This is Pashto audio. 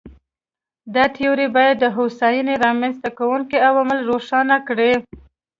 دا تیوري باید د هوساینې رامنځته کوونکي عوامل روښانه کړي.